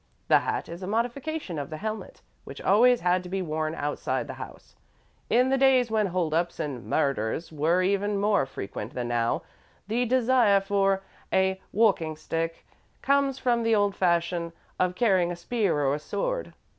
The hat is a modification of the helmet, which always had to be worn outside the house, in the days when hold ups and murders were even more frequent than now, and the desire for a walking stick comes from the old fashion of carrying a spear or a sword.